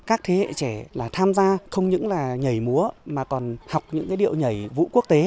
các thế hệ trẻ là tham gia không những là nhảy múa mà còn học những cái điệu nhảy vũ quốc tế